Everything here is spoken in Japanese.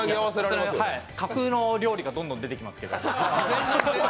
架空の料理がどんどん出てきますけど。